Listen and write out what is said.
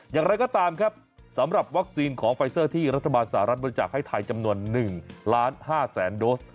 อย่างไรก็ตามครับสำหรับวัคซีนของไฟเซอร์ที่รัฐบาลสหรัฐบริจาคให้ไทยจำนวน๑ล้าน๕แสนโดส